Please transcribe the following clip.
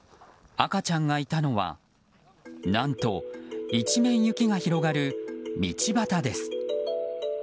赤ちゃんがいたのは何と一面雪が広がる道端です。